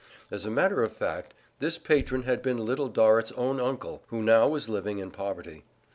As a matter of fact, this patron had been Little Dorrit's own uncle, who now was living in poverty.